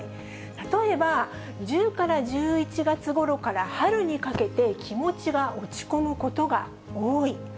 例えば、１０から１１月ごろから春にかけて、気持ちが落ち込むことが多い。